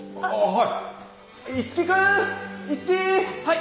はい。